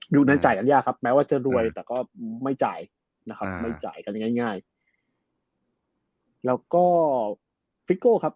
นั้นจ่ายกันยากครับแม้ว่าจะรวยแต่ก็ไม่จ่ายนะครับไม่จ่ายกันง่ายแล้วก็ฟิโก้ครับ